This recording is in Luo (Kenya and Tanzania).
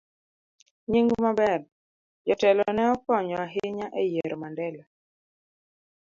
Nying maber. Jotelo ne okonyo ahinya e yiero Mandela